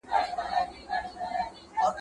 ناسا پلان لري، نوي اسټروېډونه وڅاري.